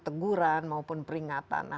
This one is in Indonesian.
teguran maupun peringatan